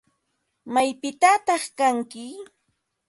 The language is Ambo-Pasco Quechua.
¿Maypitataq kanki?